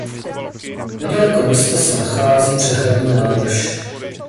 Nedaleko města se nachází přehradní nádrž.